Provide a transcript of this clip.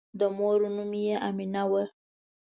د مور نوم یې آمنه وه.